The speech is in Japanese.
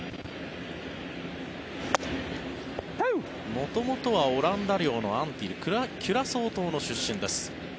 元々はオランダ領のアンティルキュラソー島の出身です。